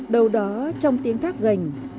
đầu đó trong tiếng thác gành